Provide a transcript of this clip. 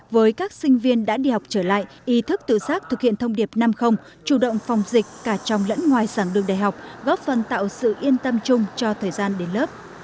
với các sinh viên đã đi học trở lại ý thức tự xác thực hiện thông điệp năm chủ động phòng dịch cả trong lẫn ngoài sẵn đường đại học góp phần tạo sự yên tâm chung cho thời gian đến lớp